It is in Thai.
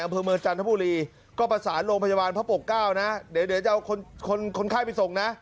อำเภอเมืองจันทบุรีก็ประสานโรงพยาบาลพระปกเก้านะเดี๋ยวจะเอาคนคนไข้ไปส่งนะ